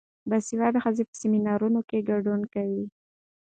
باسواده ښځې په سیمینارونو کې ګډون کوي.